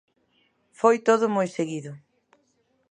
Foi todo moi seguido.